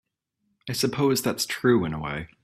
I suppose that's true in a way.